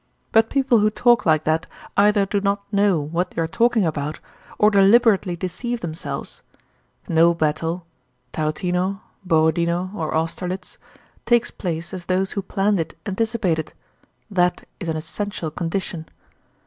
But people who talk like that either do not know what they are talking about or deliberately deceive themselves. No battle—Tarútino, Borodinó, or Austerlitz—takes place as those who planned it anticipated. That is an essential condition.